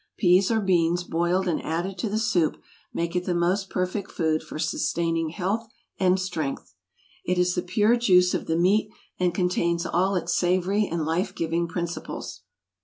Peas or beans boiled and added to the soup make it the most perfect food for sustaining health and strength. It is the pure juice of the meat and contains all its savory and life giving principles.